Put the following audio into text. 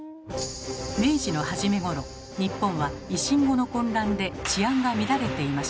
明治の初めごろ日本は維新後の混乱で治安が乱れていました。